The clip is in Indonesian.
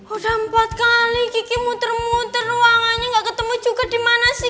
udah empat kali kiki muter muter ruangannya gak ketemu juga dimana sih